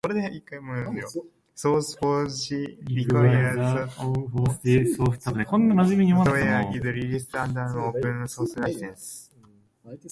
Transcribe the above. SourceForge requires that all hosted software is released under an open source license.